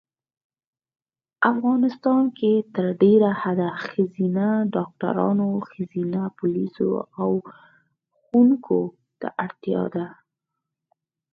افغانیستان کې تر ډېره حده ښځېنه ډاکټرانو ښځېنه پولیسو او ښوونکو ته اړتیا ده